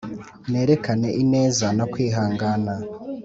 nerekane ineza no kwihangana